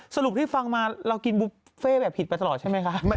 สรุปที่ฟังมาเรากินบุฟเฟ่แบบผิดไปตลอดใช่ไหมคะ